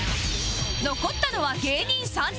残ったのは芸人３人